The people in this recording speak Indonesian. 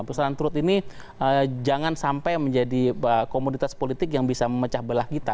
perusahaan truth ini jangan sampai menjadi komoditas politik yang bisa memecah belah kita